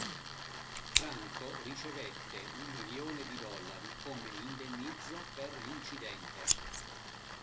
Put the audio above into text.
Franco ricevette un milione di dollari come indennizzo per l'incidente.